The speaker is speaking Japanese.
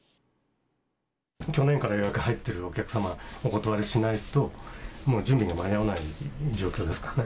去年から予約、入っているお客様、お断りしないともう準備が間に合わない状況です。